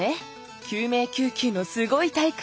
救命救急のすごい大会！